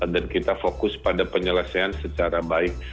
dan kita fokus pada penyelesaian secara baik